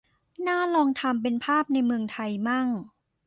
น่าลองทำเป็นภาพในเมืองไทยมั่ง